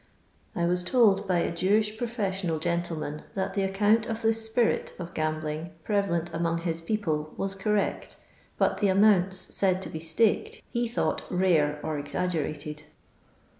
I was told by a Jewish professional gentleman that the account of the $pirxt of gambling preva lent among his people was correct, but the amounts said to be staked, he thought, rare or exaggerated.